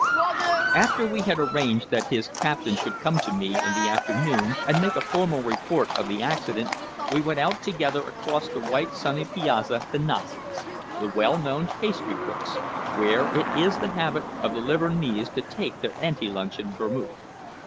After we had arranged that his captain should come to me in the afternoon and make a formal report of the accident, we went out together across the white sunny piazza to Nasi's, the well known pastry cook's, where it is the habit of the Livornese to take their ante luncheon vermouth.